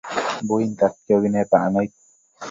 buintadquiobi nepac nëid